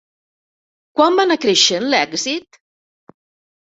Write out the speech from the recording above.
Quan va anar creixent l'èxit?